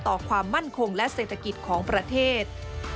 ความมั่นคงและเศรษฐกิจของประเทศ